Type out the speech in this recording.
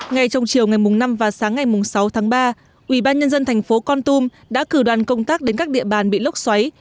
ngay trong chiều ngày năm và sáng ngày sáu tháng ba ubnd tp con tum đã cử đoàn công tác đến các địa bàn bị lốc xoáy